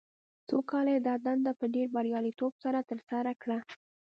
څو کاله یې دا دنده په ډېر بریالیتوب سره ترسره کړه.